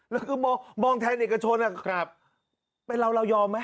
แล้วคือมองแทนเอกชนไปเล่ายอมไหม